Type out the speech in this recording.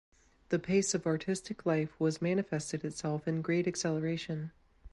The pace of artistic life was manifested itself in great acceleration.